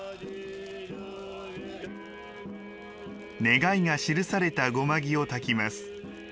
願いが記された護摩木を焚きます。